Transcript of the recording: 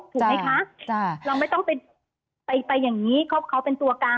ถูกไหมคะจ้ะเราไม่ต้องไปไปไปอย่างงี้เขาเขาเป็นตัวกลาง